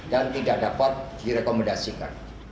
dan tidak dapat direkomendasikan